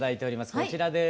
こちらです。